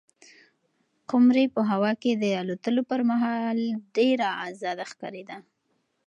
قمرۍ په هوا کې د الوتلو پر مهال ډېره ازاده ښکارېده.